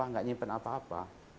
tidak menyimpan apa apa